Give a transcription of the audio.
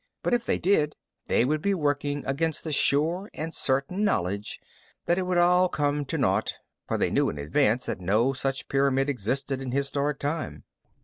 But if they did, they would be working against the sure and certain knowledge that it all would come to naught, for they knew in advance that no such pyramid existed in historic time.